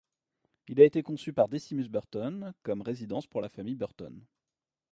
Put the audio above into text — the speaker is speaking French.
Il a été conçu par Decimus Burton comme résidence pour la famille Burton.